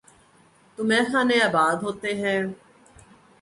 تو میخانے آباد ہوتے ہیں۔